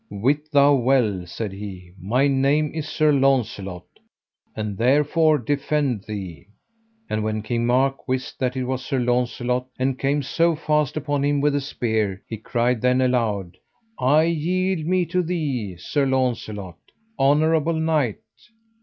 Wit thou well, said he, my name is Sir Launcelot, and therefore defend thee. And when King Mark wist that it was Sir Launcelot, and came so fast upon him with a spear, he cried then aloud: I yield me to thee, Sir Launcelot, honourable knight.